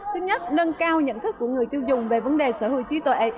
thứ nhất nâng cao nhận thức của người tiêu dùng về vấn đề sở hữu trí tuệ